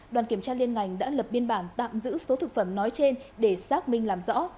đoàn kiểm tra liên ngành đã lập biên bản tạm giữ số thực phẩm nói trên để xác minh làm rõ